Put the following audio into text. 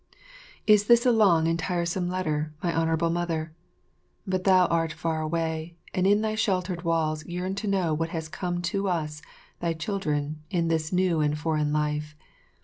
Is this a long and tiresome letter, my Honourable Mother? But thou art far away, and in thy sheltered walls yearn to know what has come to us, thy children, in this new and foreign life.